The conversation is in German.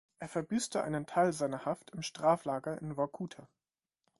Er verbüßte einen Teil seiner Haft im Straflager in Workuta.